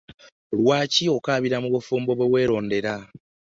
Lwaki okaabira mu bufumbo bwe werondera?